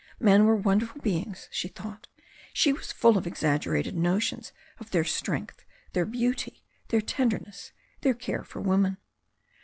Men were wonderful beings, she thought. She was full of ex ^ aggerated notions of their strength, their beauty, their ten derness, their care for women.